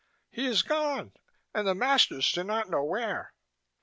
"He is gone, and the masters do not know where."